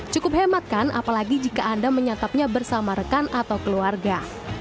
cukup hemat kan apalagi jika anda menyatapnya bersama rekan atau keluarga